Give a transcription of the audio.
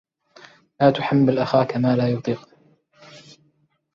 لا تحمل أخاك مالا يطيق